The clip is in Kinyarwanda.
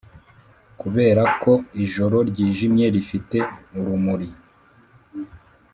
kuberako ijoro ryijimye rifite urumuri